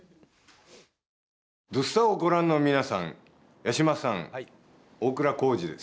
「土スタ」をご覧の皆さん八嶋さん、大倉孝二です。